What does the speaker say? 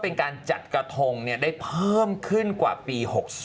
นั่งเรือปกปัก